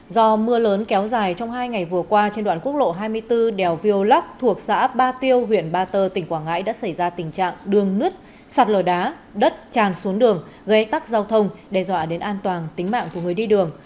do mưa lớn kéo dài trong hai ngày vừa qua trên đoạn quốc lộ hai mươi bốn đèo viêu lắc thuộc xã ba tiêu huyện ba tơ tỉnh quảng ngãi đã xảy ra tình trạng đường nứt sạt lở đá đất tràn xuống đường gây tắc giao thông đe dọa đến an toàn tính mạng của người đi đường